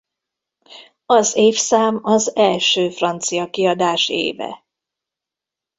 Az évszám az első francia kiadás éve.